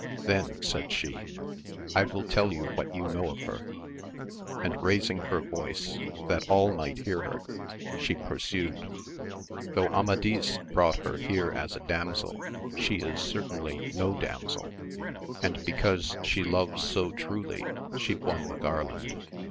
Then, said she, I will tell you what you know of her, AMADIS OF GAUL. 11 and raising her voice that all might hear her, she pur sued :— Though Amadis brought her here as a damsel she is certainly no damsel : and because she loves so truly she won the garland.